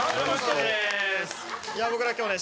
いや僕ら今日ね